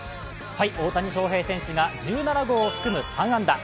大谷翔平選手が１７号を含む３安打。